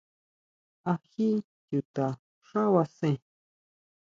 ¿Á jí chuta xábasen?